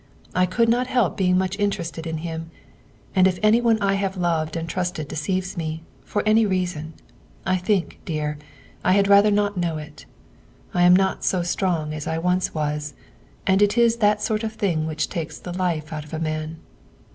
I could not help being much inter ested in him, and if anyone I have loved and trusted deceives me, for any reason, I think, dear, I had rather not know it. I am not so strong as I once was, and it is that sort of thing which takes the life out of a man."